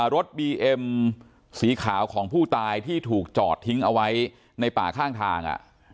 รถบีเอ็มสีขาวของผู้ตายที่ถูกจอดทิ้งเอาไว้ในป่าข้างทาง